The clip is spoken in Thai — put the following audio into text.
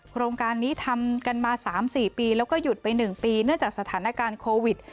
โครงการนี้ทำกันมา๓๔ปีแล้วก็หยุดไป๑ปีเนื่องจากสถานการณ์โควิด